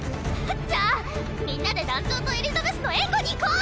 じゃあみんなで団長とエリザベスの援護に行こう。